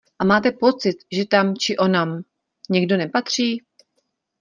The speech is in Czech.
A máte pocit, že tam či onam někdo nepatří?